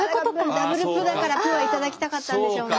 ダブル「プ」だから「プ」は頂きたかったんでしょうね。